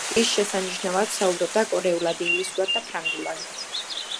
ის შესანიშნავად საუბრობდა კორეულად, ინგლისურად და ფრანგულად.